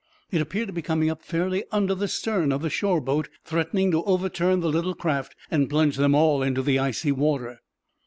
It appeared to be coming up fairly under the stern of the shore boat, threatening to overturn the little craft and plunge them all into the icy water.